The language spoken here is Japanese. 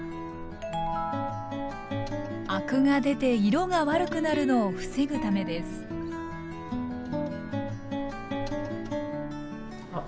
アクが出て色が悪くなるのを防ぐためですあっ